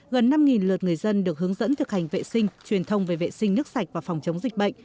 gần năm lượt người dân được hướng dẫn thực hành vệ sinh truyền thông về vệ sinh nước sạch và phòng chống dịch bệnh